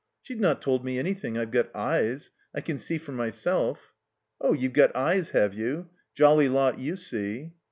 ''She's not told me anything. I've got eyes. I can see for mjrself." *'0h, you've got eyes, have you? Jolly lot you see!"